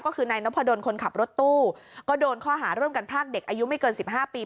ก็คือในน้ำพะดนคนขับรถตู้ก็โดนค่อหาร่วมกันพรากเด็กอายุไม่เกิน๑๕ปี